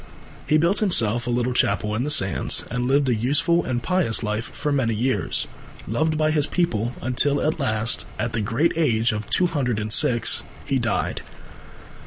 He built himself a little chapel in the sands and lived a useful and pious life for many years, loved by his people, until at last, at the great age of two hundred and six, he died.